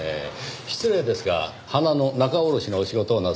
失礼ですが花の仲卸のお仕事をなさっている？